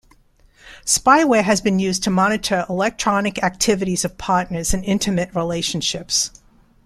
Spyware has been used to monitor electronic activities of partners in intimate relationships.